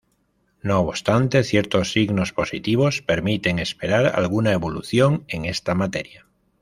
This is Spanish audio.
No obstante, ciertos signos positivos permiten esperar alguna evolución en esta materia.